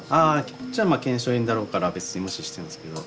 こっちはまあ腱鞘炎だろうから別に無視してんですけど。